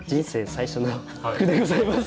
最初の句でございます。